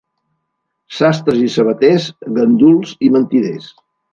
Sastres i sabaters, ganduls i mentiders.